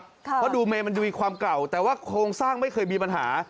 เพราะดูเมนมันจะมีความเก่าแต่ว่าโครงสร้างไม่เคยมีปัญหา